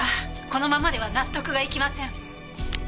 このままでは納得がいきません！